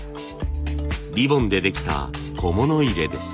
リボンでできた小物入れです。